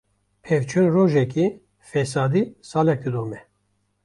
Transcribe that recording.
Pevçûn rojekê, fesadî salek didome.